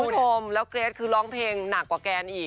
คุณผู้ชมแล้วเกรทคือร้องเพลงหนักกว่าแกนอีก